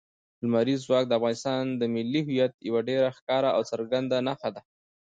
لمریز ځواک د افغانستان د ملي هویت یوه ډېره ښکاره او څرګنده نښه ده.